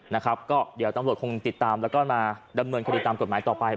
นะครับก็เดี๋ยวตำรวจคงติดตามแล้วก็มาดำเนินคดีตามกฎหมายต่อไป